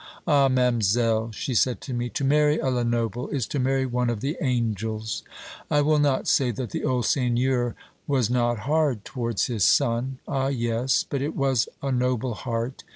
"Ah, ma'amselle," she said to me, "to marry a Lenoble is to marry one of the angels. I will not say that the old seigneur was not hard towards his son. Ah, yes, but it was a noble heart.